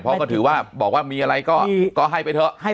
เพราะก็ถือว่าบอกว่ามีอะไรก็ให้ไปเถอะ